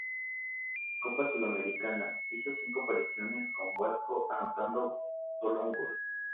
Copa Sudamericana, hizo cinco apariciones con Vasco, anotando sólo un gol.